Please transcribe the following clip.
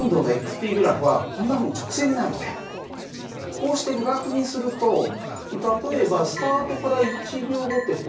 こうしてグラフにすると例えばスタートから１秒後ってここだね。